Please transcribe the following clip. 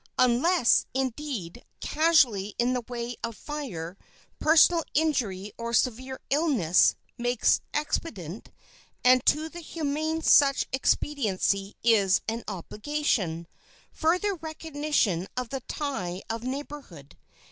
Unless, indeed, casualty in the way of fire, personal injury or severe illness, makes expedient—and to the humane such expediency is an obligation—further recognition of the tie of neighborhood.